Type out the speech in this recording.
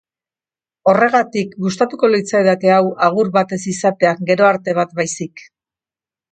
Horregatik gustatuko litzaidake hau agur bat ez izatea, gero arte bat baizik.